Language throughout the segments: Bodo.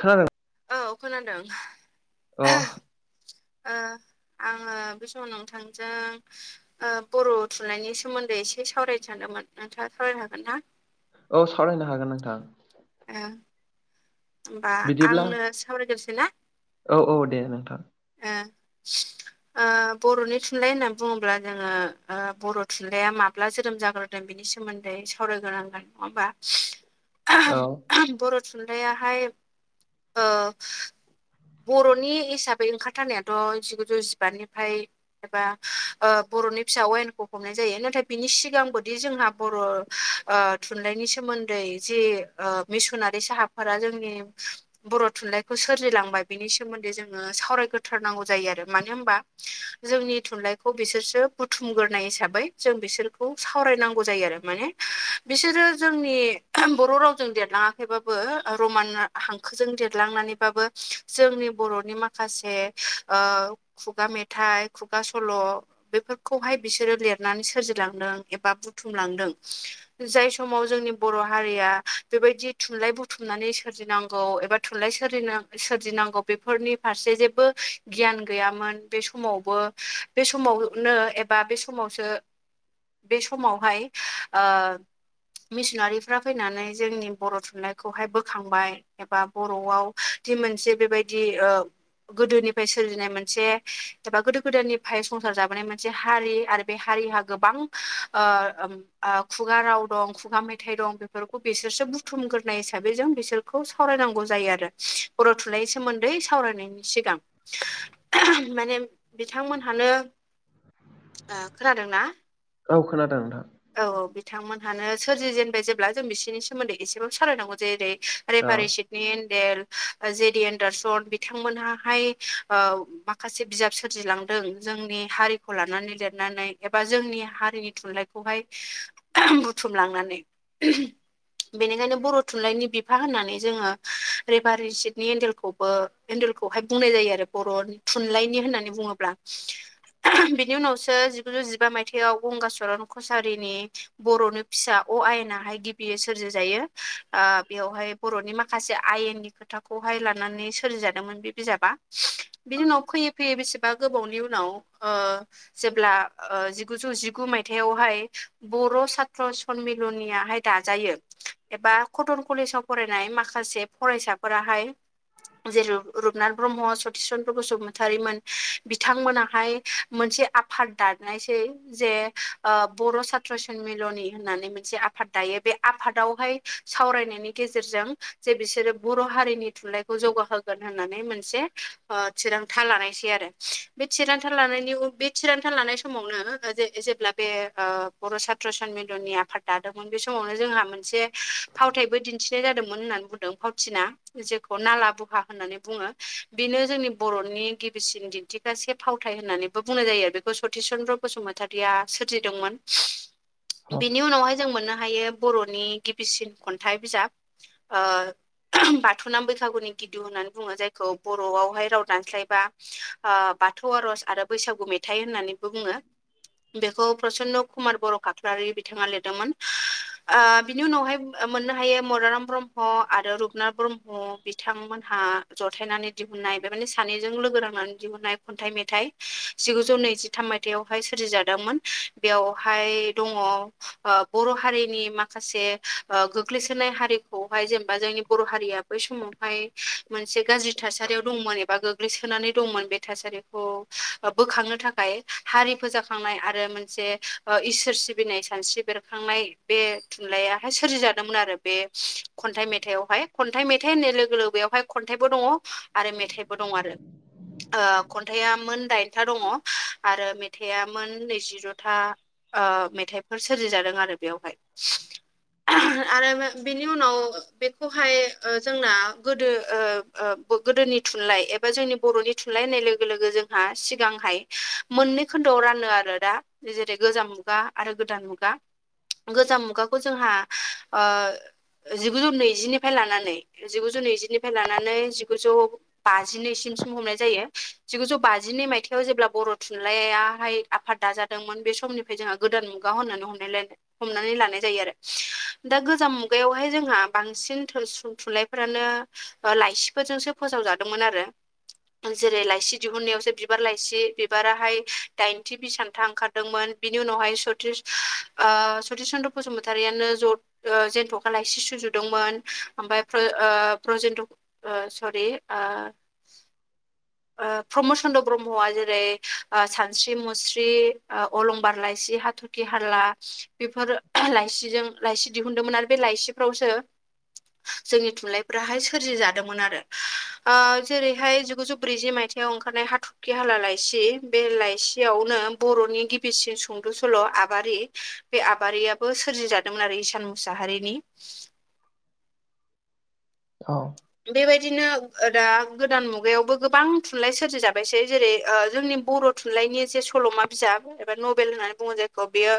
खोनादों औ खोनादों अह ओ आङो बे समाव नोंथांजों ओ बर' थुनलाइनि सोमोन्दै एसे सावरायनो सानदोंमोन नोंथाङा सावरायनो हागोन ना औ सावरायनो हागोन नोंथां होनबा बिदिब्ला आंनो सावरायग्रोसै ना। औ औ दे नोंथां। ओ बर'नि थुनलाइ होननानै बुङोब्ला जोङो बर' थुनलाइया माब्ला जोनोम जाग्रा बेनि सोमोन्दै सावरायग्रोनांगोन नङा होमबा। औ बर' थुनलाइयाहाय बर'नि हिसाबै ओंखारथारनायाथ' जिगुजौ जिबानिफ्राय एबा बर'नि फिसा अवेनखौ हमनाय जायो नाथाय बिनि सिगांबोदि जोंहा बर' थुनलाइनि सोमोन्दै जि मिसनारि साहाफोरा जोंनि - बर' थुनलाइखौ सोरजिलांबाय बिनि सोमोन्दै जोङो सावरायग्रथारनांगौ जायो आरो मानो होनबा जोंनि थुनलाइखौ बिसोरसो बुथुमग्रोनाय हिसाबै जों बिसोरखौ सावरायनांगौ जायो आरो माने बिसोरो जोंनि बर' रावजों देरलाङाखैबाबो रमान हांखोजों देरलांनानैबाबो जोंनि बर'नि माखासे खुगा मेथाइ खुगा सल' बेफोरखौहाय बिसोरो लिरनानै सोरजिलांदों एबा बुथुमलांदों जाय समाव जोंनि बर' हारिया बेबायदि थुनलाइ बुथुमनानै सोरजिनांगौ एबा थुनलाय सोरजिनो सो बुजिनांगौ बेफोरनि फारसे जेबो गियान गैयामोन बे समावबो बे समावनो एबा बे समावसो बे समावहाय मिसनारिफ्रा फैनानै जोंनि बर' थुनलाइखौहाय बोखांबाय। एबा बर'आव जि मोनसे बेबायदि गोदोनिफ्राय सोरजिनाय मोनसे एबा गोदो गोदायनिफ्राय संसार जाबोनाय मोनसे हारि आरो बे हारिहा गोबां खुगा राव दं खुगा मेथाइ दं बेफोरखौ बिसोरसो बुथुमग्रोनाय हिसाबै जों बिसोर खौ सावरायनांगौ जायो आरो बर' थुनलाइनि सोमोन्दै सावरायनायनि सिगां माने बिथांमोनहानो खोनादोंना औ खोनादों नोंथां औ बिथांमोनहानो सोरजि जेनबाय जेब्ला जों बिसिनि सोमोन्दै एसेबो सावालायनांगौ जेरै रेफारि औ सिटनि एडेल जेडि एनडारसन बिथांमोनहा माखासे बिजाब सोरजिलांदों जोंनि हारिखौ लानानै लिरनानै एबा जोंनि हारिनि थुनलाइखौ खौहाय बुथुम लांनानै बेनिखायनो बर' थुनलाइनि बिफा होननानै जोङो रेपारि रिसिटनि एन्न्देलखौबो हन्दोलखौहाय बुंनाय जायो आरो बर' थुनलाइनि होननानै बुङोब्ला बिनि उनावसो जिगुजौ जिबा मायथायाव गंगचरन कसारिनि बर'नो फिसा अ आयनाहाय गिबियै सोरजि जायो आ बेवहाय बर'नि माखासे आयेन खोथाखौहाय लानानै सोरजिदों मोन बे बिजाबा बिनि उनाव फैयै फैयै बेसेबा गोबावनि उनाव जेब्ला जिगुजौ जिगु थायावहाय बर' सत्र समिननि दाजायो एबा कटन कलेजाव फरायनाय माखासे फरायसाफोराहाय जेरै रुपनाथ ब्रह्म सतिस चन्द्र बसुमतारिमोन बिथांमोनाहाय मोनसे आफाद दानायसै जे ओ बर' सात्र सनमिलनि होननानै मोनसे आफाद दायो बे आफादावहाय सावरायनायनि गेजेरजों जे बिसोरो बर' हारिनि थुनलाइखौ जौगाहोगोन होननानै मोनसे थिरांथा लानायसै आरो बे थिरांथा लानायनि बे थिरांथा लानाय समावनो ज जेब्ला बे बर' सात्र सनमिलननि आफाद दादोंमोन बे समावनो जोंहा मोनसे फावथायबो दिन्थिनाय जादोंमोन होननानै बुंदों फावथिना जेखौ नाला बुहा होननानै बुङो बेनो जोंनि बर'नि गिबिसिन दिन दिनथिखासे फावथाय होननानैबो बुंनाय जायो बेखौ सति चन्द्र बसुमतारिया सोरजिदोंमोन बेनि औ उनावहाय जों मोननो हायो। बर'नि गिबिसिन खन्थाइ बिजाब ओ बाथौनाम बैसागुनि गिदु होननानै बुङो। जायखौ बर'आवहाय राव दानस्लायबा आ बाथौ आर'ज आरो बैसागु मेथाइ होननानै बुङो। बेखौ प्रसन्न कुमार बर' खाख्लारि बिथाङा लिरदोंमोन बिनि उनावहाय मोननो हायो मराराम ब्रह्म आरो रुपनाथ ब्रह्म बिथांमोनहा जथायनानै दिहुननाय बे मानानि सानैजों लोगो रांनानै दिहुननाय खन्थाइ, मेथाइ जिगुजौ नैजिथाम मायथाइयावहाय सोरजिजादों। मोन बेयावहाय दङ बर' हारिनि माखासे गोग्लैसोनाय हारिखौहाय जेनेबा जोंनि बर' हारिया बै समावहाय मोनसे गाज्रि थासारियाव दंमोन एबा गोग्लैसोनानै दंमोन बे थासारिखौ बोखांनो थाखाय हारि फोजाखांनाय आरो मोनसे इसोर सिबिनाय सानस्रि बेरखांनाय बे थुनलाइाहाय सोरजिजादोंमोन आरो बे खन्थाइ मेथाइआवहाय खन्थाइ -मेथाइ होननाय लोगो -लोगो बेयावहाय खन्थाइबो दङ आरो मेथाइबो दं आरो। खन्थाइआ मोन दाइनथा दङ आरो मेथाइया मोन नैजिद'था ओ मेथाइफोर सोरजिजादों आरो बेयावहाय। आरो बेनि उनाव बेखौहाय जोंना गोदो ओ गोदोनि थुनलाइ एबा जोंनि बर'नि थुनलाइ होननाय लोगो लोगो जोंहा सिगांहाय मोननै ख गो दाव रानो आरो दा जेरै गोजाम मुगा आरो गोदान मुगा गोजाम मुगाखौ जोंहा जिगुजौ नैजिनिफ्राय लानानै जिगुजौ नैजिनिफ्राय लानानै जिगुजौ बाजिनैसिनसिम हमनाय जायो जिगुजौ बाजिनै मायथाइयाव जेब्ला बर' थुनलाइया बेाहाय आफाद दाजादोंमोन बे समनिफ्राय जोंहा गोदान मुगा होननानै हमललायदों। हमनानै लानाय जायो आरो दा गोजाम मुगायावहाय जोंहा बांसिन थोरसुं थुनलाइफोरानो लाइसिफोरजोंसो फोसावजादोंमोन आरो जेरै लाइसि दिहुननायावसो बिबार लाइसि बिबाराहाय दाइनथि बि सान्था ओंखारदोंमोन बिनि उनावहाय सति सतिस चन्द्र बसुमतारियानो ज ओ जेन्थुखा लाइसि सुजुदोंमोन ओमफ्राय ओ प्रजेन्त' ओ सरि आ प्रमद चन्द्र ब्रह्मआ जेरै स मुस्रि -मुस्रि अलंबार लाइसि हाथ हाथरखि हालला बेफोर लाइसिजों लाइसि दिहुनदोंमोन आरो बे लाइसिफ्रावसो जोंनि थुनलाइफोराहाय सोरजिजादोंमोन आरो जेरैहाय जिगुजौ ब्रैजि मायथाइ थयाव ओंखारनाय हाथरखि हाला लाइसि बे लाइ सेयावनो बर'नि गिबिसिन सुंद' सल' आबारि बे आबारि सोरजिजादोंमोन आरो इसान मुसाहारिनि औ बेबायदिनो दा गोदान मुगायावबो गोबां थुनलाइ सोरजिजाबायसै जेरै जोंनि बर' थुनलाइनि जे सल'मा बिजाब एबा नभेल होन्नानै बुङो। जायखौ बेयो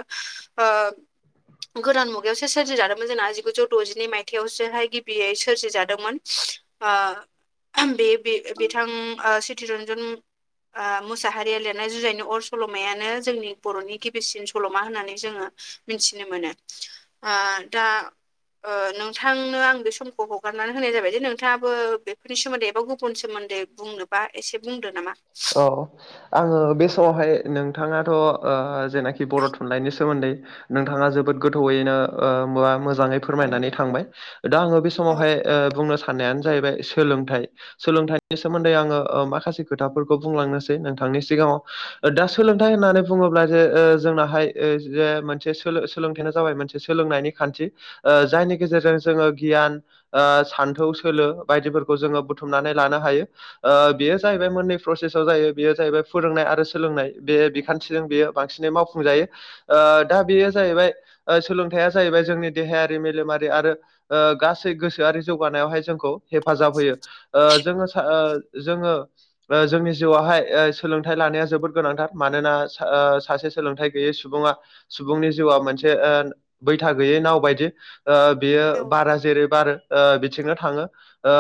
गोदान मुगायावसो सोरजिजादोंमोन जोंना जिगुजौ द'जिनै मायथाइयावसोहाय गिबियै सोरजिजादोंमोन बे बिथां चितिरन्जन मुसाहारिया लिरनाय जुजायनाय अर सल'मायानो जोंनि बर'नि गिबिसिन सल'मा होननानै जोङो मिथिनो मोनो दा ओ नोंथांनो आं बे समखौ हगारनानै होनाय जाबाय। नोंथाङाबो बेफोरनि सोमोन्दै एबा गुबुननि सोमोन्दै बुंनोबा एसे बुंदो नामा? औ आङो बे समावहाय नोंथाङाथ' जेनाखि बर' थुनलाइनि सोमोन्दै नोंथांङा जोबोद गोथौयैनो ओ मा मोजांङै फोरमायनानै थांबाय। दा आङो बे औ समावहाय ओ बुंनो सा नायानो जाहैबाय सोलोंथाइ सोलोंथाइनि सोमोन्दै आङो माखासे खोथाफोरखौ बुंलांनोसै नोंथांनि सिगाङाव दा सोलोंथाइ होननानै बुङोब्ला जे ओ जोंनाहाय। ओ जे मोनसे सोलो सोलोंथायानो जाबाय मोनसे सोलोंनायनि खान्थि। जायनि गेजेरजों जोङो गियान ओ सान्थौ सोलो बायदिफोरखौ जोङो बुथुमनानै लानो हायो। ओ बेयो जाहोयबाय बे मोननै प्रसेसआव जायो बेयो जाहैबाय फोरोंनाय आरो सोलोंनाय बे बिखान्थिजों बेयो बांसिनै मावफुंजायो। ओ दा बेयो जाहैबाय ओ सोलोंथायाइया जाहैबाय जोंनि देहायारि मेलेमारि आरो गासै गोसोआरि जौगानायावहाय जोंखौ हेफाजाब होयो ओ जोङो सा ओ जोङो जोंनि जिउआवहाय सोलोंथाइ लानाया जोबोद गोनांथार। मानोना सासे सोलोंथाइ गैयै सुबुङा सुबुंनि जिउआ मोनसे बैथा गैयै नाव बायदि ओ बेयो औ बारा जेरै बारो ओ बिथिंनो थांङो ओ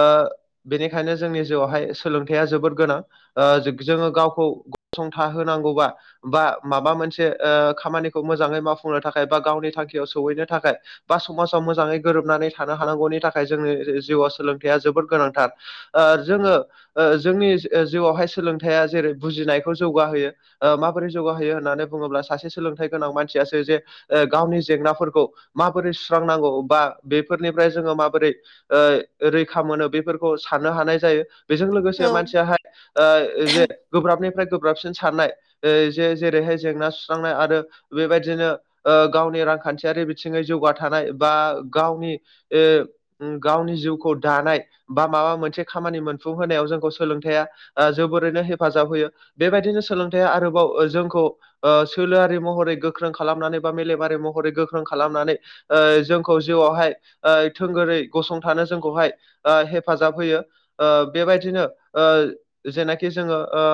बेनिखायनो जोंनि जिउ आवहाय सोलोंथाइया जोबोद गोनां। ओ जो-जोङो गावखौ गसंथा होनांगौबा बा माबा मोनसे ओ खामानिखौ मोजाङै मावफुंनो थाखाय बा गावनि थांखियाव सहैनो थाखाय बा समाजाव मोजाङै गोरोबनानै थानो हानांगौनि थाखाय जोंनि जिउआव सोलोंथाया जोबोद गोनांथार। ओ जोङो ओ जोंनि ओ जिउआवहाय सोलोंथाइया जेरै बुजिनायखौ जौगाहोयो। ओ माबोरै जौगाहोयो होननानै बुङोब्ला सासे सोलोंथाइ गोनां मानसियासो जे ओ गावनि जेंनाफोरखौ माबोरै सुस्रांनांगौ बा बेफोरनिफ्राय जोङो माबोरै ओ रैखा मोनो बेफोरखौ साननो हानाय जायो। बेजों औ लोगोसे मानसिया हा ओ जे गोब्राबनिफ्राय गोब्राबसिन साननाय ओ जे जेरैहाय जेंना सुस्रांनाय आरो बेबायदिनो ओ गावनि रांखान्थियारि बिथिङै जौगाथानाय बा गावनि ओ उम गावनि जिउखौ दानाय बा माबा मोनसे खामानि मोनफुंहोनायाव जोंखौ सोलोंथाया ओ जोबोरैनो हेफाजाब होयो बेबायदिनो सोलोंथाया आरोबाव ओ जोंखौ सोलोआरि महरै गोख्रों खालामनानै बा मेलेमारि महरै गोख्रों खालामनानै ओ जोंखौ जिउआवहाय ओ थोंगोरै गसंथानो जोंखौहाय ओ हेफाजाब होयो ओ बेबायदिनो ओ जेनाखि जोङो ओ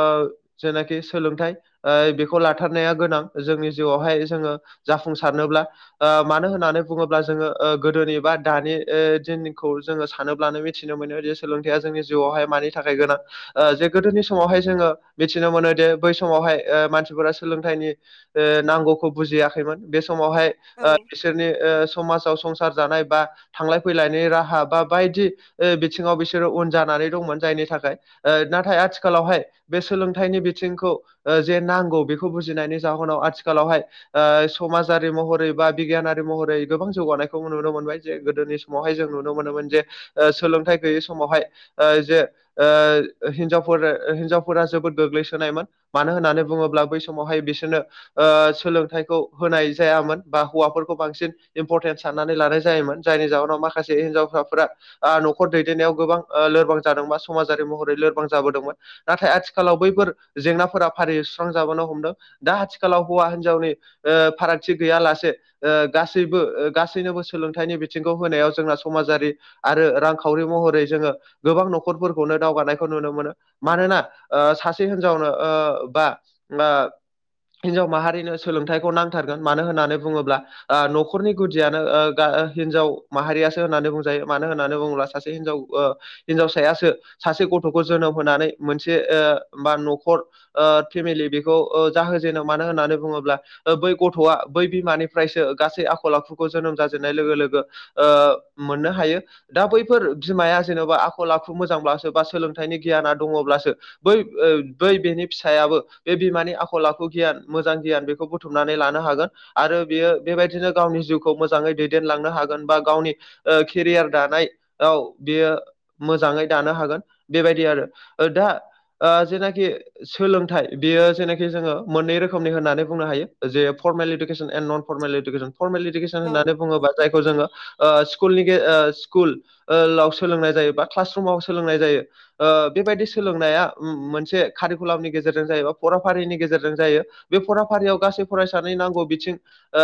जेनाखि सोलोंथाइ ओ बेखौ लाथारनाया गोनां जोंनि जिउआवहाय जोङो जाफुंसारनोब्ला ओ मानो होननानै बुङोब्ला जोङो ओ गोदोनि बा दानि ओ दिनखौ जोङो सानोब्लानो मि थिनो मोनो जे सोलोंथाइया जोंनि जिउआवहाय मानि थाखाय गोनां ओ जे गोदोनि समावहाय जोङो मिथिनो मोनो जे बै समावहाय ओ मानसिफोरा सोलोंथाइनि ओ नांगौखौ बुजियाखैमोन बे समावहाय ओ बिसोरनि ओ समाजाव संसार जानाय बा थांलाय फैलायनि राहा बा बायदि ओ बिथिंङाव बिसोरो उन जानानै दंमोन जायनि थाखाय ओ नाथाय आथिखालावहाय बे सोलोंथाइनि बिथिंखौ ओ जे नांगौ बेखौ बुजिनायनि जाहोनाव आथिखालावहाय ओ समाजारि महरै बा बिगियानारि महरै गोबां जौगानायखौ नुनो मोनबाय जे गोदोनि मावहाय जों नुनो मोनोमोन जे ओ सोलोंथाइ गैयै समावहाय ओ जे ओ ओ हिन्जावफोर, हिनजावफोरा जोबोद गोग्लैसोनायमोन मानो होननानै बुङोब्ला बै समावहाय बिसोरनो ओ सोलोंथायखौ होनाय जायामोन बा हौवाफोरखौ बांसिन इम्परटेन्स साननानै लानाय जायोमोन जायनि जाहनाव माखासे हिनजावसाफ्रा ओ न'खर दैदेननायाव गोबां ओ लोरबां जादोंबा समाजारि महरै लोरबां जाबोदोंमोन। नाथाय आथिखालाव बैफोर जेंनाफोरा फारि सुस्रांजाबोनो हमदों दा आथिखालाव हौवा हिन्जावनि ओ फारागथि गैयालासे ओ गासैबो गासैनोबो सोलोंथाइनि बिथिंखौ होनायाव जोंना समाजारि आरो रांखावरि महरै जोङो गोबां न'खरफोरखौनो दावगानाय खौ नुनो मोनो। मानोना ओ सासे हिनजावनो ओ बा ओ हिन्जाव माहारिनो सोलोंथाइखौ नांथारगोन मानो होननानै बुङोब्ला ओ न'खरनि गुदियानो ओ गा हिनजाव माहारियासो होननानै बुंजायो मानो होननानै बुंङोब्ला सासे हिनजाव ओ हिनजावसायासो सासे गथ' फोरखौ जोनोम होनानै मोनसे ओ बा न'खर ओ फेमिलि बेखौ ओ जाहोजेनो मानो होननानै बुङोब्ला ओ बै गथ'आ बै बिमानिफ्रायसो गासै आखल आखुखौ जोनोम जाजेननाय लोगो लोगो ओ मोननो हायो दा बैफोर बिमाया जेन'बा आखल आखु मोजांब्लासो बा सोलों फोथायनि गियाना दङ'ब्लासो बै ओ बै बेनि फिसायाबो बे बिमानि आखल आखु गियान मोजां गियान बेखौ बुथुमनानै लानो हागोन आरो बियो बेबायदिनो गावनि जिउखौ मोजाङै दैदेनलांनो हागोन बा गावनि ओ केरियार दानाय औ बेयो मोजांङै दानो हागोन। बेबायदि आरो ओ दा ओ जेनाखि सोलोंथाइ बियो जेनाखि जोङो मोननै रोखोमनि होननानै बुंनो हायो जे formal education and non formal education formal education औ होननानै बुङोबा जाय खौ जोङो ओ स्कुलनि गे ओ स्कुल ओ लाव सोलोंनाय जायो बा क्लास रुमाव सोलोंनाय जायो। ओ बेबायदि सोलोंनाया मोनसे कारिकुलामनि गेजेरजों जायो बा फराफारिनि गेजेरजों जायो। बे फराफारियाव गासै फरायसानि नांगौ बिथिं ओ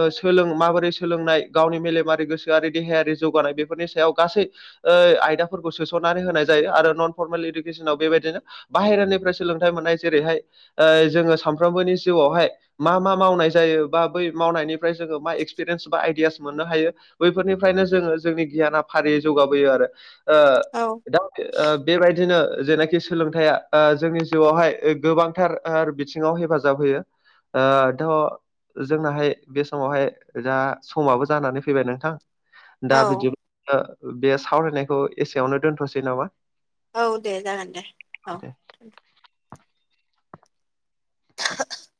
ओ सोलों माबोरै सोलोंनाय गावनि मेलेमारि गोसोआरि देहायारि जौगानाय बेफोरनि सायाव गासै ओ आयदाफोरखौ सोसननानै होनाय जायो आरो नन फरमेल इडुकेसनाव बेबायदिनो बाहेरानिफ्राय सोलोंथाइ मोननाय जेरै हाय ओ जोङो सानफ्रोमबोनि जिउआवहाय मा मा मावनाय जायो बा बै मावनायनि ओमफ्राय जोङो मा एक्सपिरियेन्स बा आयदियास मोननो हायो बैफोरनिफ्रायनो जोङो जोंनि गियाना फारियै जौगाबोयो आरो ओ औ दा बेबायदिनो जेनाखि सोलोंथाइया जोंनि जिउआवहाय गोबांथार आरो बिथिङाव हेफाजाब होयो दाथ' जोंनाहाय बे समावहाय जा समाबो जानानै फैबाय नोंथां। दा बिदि औ ओ बे सावरायनायखौ एसेयावनो दोनथ'सै नामा? औ दे जागोन दे औ दे [inaudible]